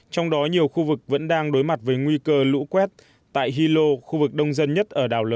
trong đó nhiều khu vực vẫn đang đối mặt với nguy cơ lũ quét tại hilo khu vực đông dân nhất ở đảo lớn